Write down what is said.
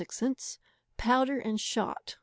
06 Powder and shot .